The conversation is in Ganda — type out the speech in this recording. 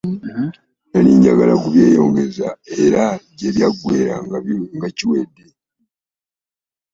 Nali njagala kubyeyongeza era gye byaggweera nga kiwedde.